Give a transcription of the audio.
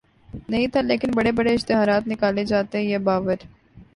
نہیں تھا لیکن بڑے بڑے اشتہارات نکالے جاتے یہ باور